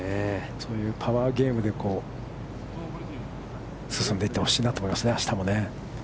そういうパワーゲームで進んでいってほしいなと思いますね、あしたもね。